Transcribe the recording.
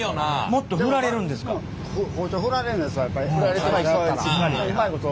もっとふられるんですか？